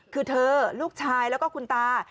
คือเธอลูกชายแล้วก็คุณตา